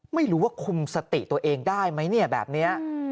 ไม่รู้ว่าคุมสติตัวเองได้ไหมเนี่ยแบบนี้